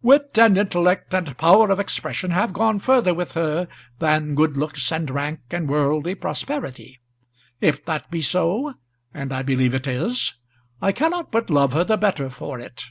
"Wit and intellect and power of expression have gone further with her than good looks and rank and worldly prosperity. If that be so, and I believe it is, I cannot but love her the better for it."